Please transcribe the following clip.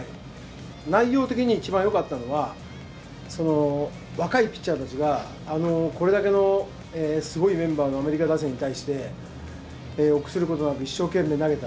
内容的に一番よかったのは、若いピッチャーたちが、これだけのすごいメンバーのアメリカ打線に対して、臆することなく一生懸命投げた。